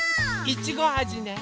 いちごあじね。